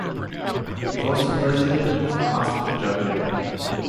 He was the President of Aspen Japan.